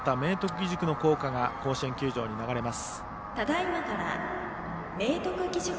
義塾の校歌が甲子園球場に流れます。